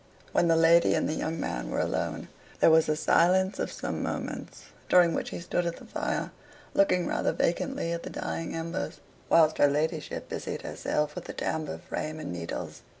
When the lady and the young man were alone, there was a silence of some moments, during which he stood at the fire, looking rather vacantly at the dying embers, whilst her ladyship busied herself with the tambour frame and needles.